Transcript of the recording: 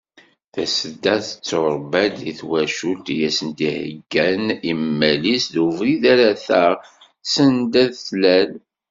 Tasedda tetturebba-d deg twacult i as-d-iheggan immal-is d ubrid ara taɣ send ad d-tlal.